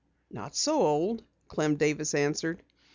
"Not so old," Clem Davis answered.